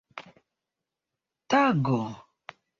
tago